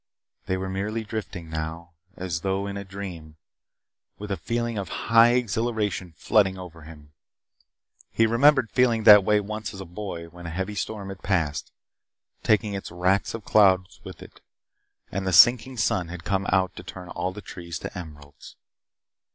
They were merely drifting now, as though in a dream, with a feeling of high exhilaration flooding over him. He remembered feeling that way once as a boy when a heavy storm had passed, taking its wracks of clouds with it, and the sinking sun had come out to turn all the trees to emeralds.